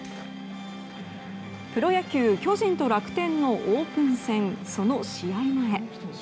プロ野球巨人と楽天のオープン戦その試合前。